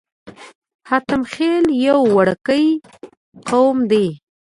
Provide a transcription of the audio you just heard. حاتم خيل يو وړوکی قوم دی.